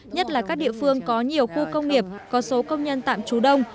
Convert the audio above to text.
nhất là các địa phương có nhiều khu công nghiệp có số công nhân tạm trú đông